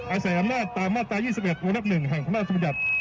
อาศัยอำนาจตามมาตรา๒๑วัน๑๑แห่งคำนาจภูมิหยัด